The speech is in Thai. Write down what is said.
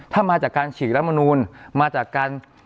ถ้ามาจากการฉีกรัฐมนูลมาจากการ